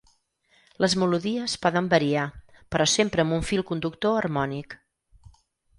Les melodies poden variar, però sempre amb un fil conductor harmònic.